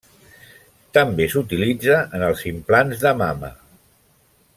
També s'utilitza en els implants de mama.